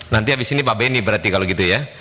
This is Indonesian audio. nanti habis ini pak benny berarti kalau gitu ya